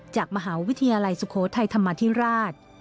จากมหาวิทยาลัยสุโขทัยธรรมาธิราช